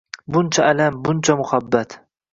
Buncha alam, buncha muhabbat…